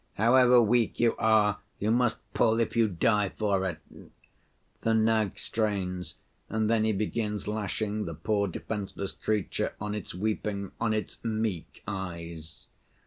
'However weak you are, you must pull, if you die for it.' The nag strains, and then he begins lashing the poor defenseless creature on its weeping, on its 'meek eyes.